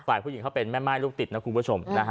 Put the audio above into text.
ฝ่ายผู้หญิงเขาเป็นแม่ม่ายลูกติดนะคุณผู้ชม